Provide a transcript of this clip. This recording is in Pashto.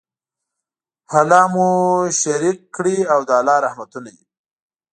الله ج مو شريک کړی او د الله رحمتونه دي